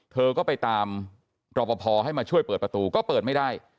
เธอก็ไปตามรอปภให้มาช่วยเปิดประตูก็เปิดไม่ได้